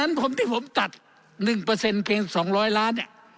การพัฒนธรรมที่ผมตัด๑เพียง๒๐๐ล้าน